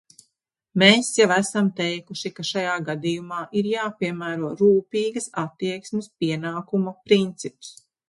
Mēs jau esam teikuši, ka šajā gadījumā ir jāpiemēro rūpīgas attieksmes pienākuma princips.